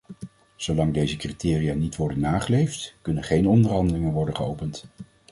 Zolang deze criteria niet worden nageleefd, kunnen geen onderhandelingen worden geopend.